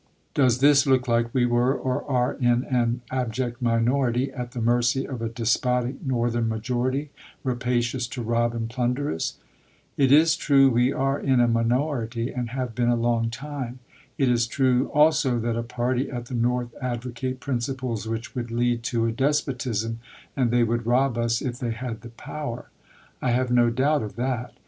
Does this look like we were or are in an abject minority at the mercy of a despotic Northern majority, rapacious to rob and plunder us ? It is true we are in a minority, and have been a long time. It is true also that a party at the North advocate principles which would lead to a despotism, and they would rob us if they had the power — I have no doubt of that.